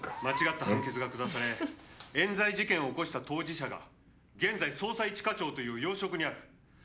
「間違った判決が下され冤罪事件を起こした当事者が現在捜査一課長という要職にある」